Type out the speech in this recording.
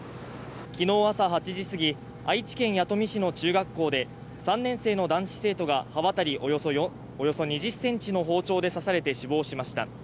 昨日朝８時すぎ、愛知県弥富市の中学校で３年生の男子生徒が刃わたりおよそ２０ｃｍの包丁で刺されて死亡しました。